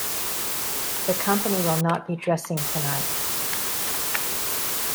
The company will not be dressing tonight.